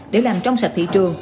để làm trong sạch thị trường